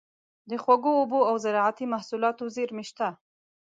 د خوږو اوبو او زارعتي محصولاتو زیرمې شته.